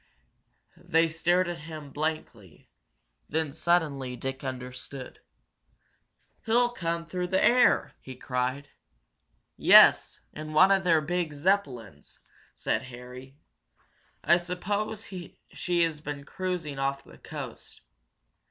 They stared at him blankly. Then, suddenly, Dick understood. "He'll come through the air!" he cried. "Yes, in one of their big Zeppelins!" said Harry. "I suppose she has been cruising off the coast.